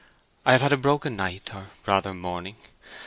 I have had a broken night, or rather morning.